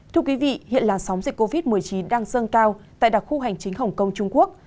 thưa quý vị hiện làn sóng dịch covid một mươi chín đang dâng cao tại đặc khu hành chính hồng kông trung quốc